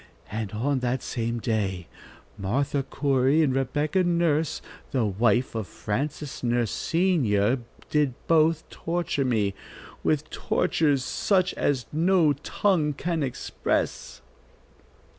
And on that same day Martha Corey and Rebecca Nurse, the wife of Francis Nurse senior, did both torture me, with tortures such as no tongue can express."